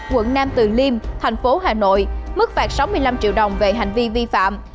quận nam từ liêm thành phố hà nội mức phạt sáu mươi năm triệu đồng về hành vi vi phạm